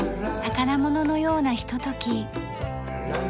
宝物のようなひととき。